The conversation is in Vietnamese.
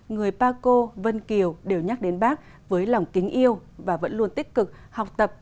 người paco vân kiều đều nhắc đến bác với lòng kính yêu và vẫn luôn tích cực học tập